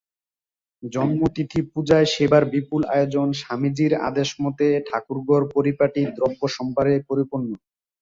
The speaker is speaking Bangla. জন্মতিথিপূজায় সে-বার বিপুল আয়োজন! স্বামীজীর আদেশমত ঠাকুরঘর পরিপাটী দ্রব্যসম্ভারে পরিপূর্ণ।